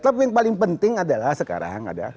tapi yang paling penting adalah sekarang ada